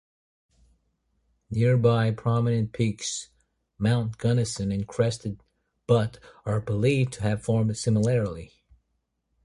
Nearby prominent peaks Mount Gunnison and Crested Butte are believed to have formed similarly.